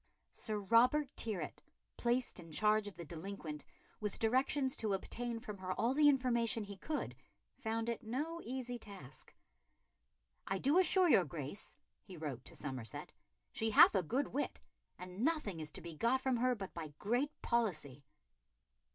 Sir Robert Tyrwhitt, placed in charge of the delinquent, with directions to obtain from her all the information he could, found it no easy task. "I do assure your Grace," he wrote to Somerset, "she hath a good wit, and nothing is to be got from her but by great policy."